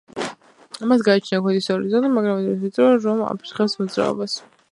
მას გააჩნია ქვეითის ორი ზოლი, მაგრამ იმდენად ვიწროა რომ აფერხებს მოძრაობას.